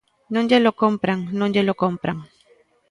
Non llelo compran, non llelo compran.